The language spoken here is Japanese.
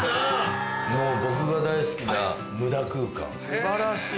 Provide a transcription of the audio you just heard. もう僕が大好きな無駄空間素晴らしい。